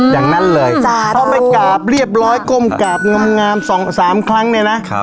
อย่างนั้นเลยถ้าไปกราบเรียบร้อยก้มกราบงาม๒๓ครั้งเนี่ยนะ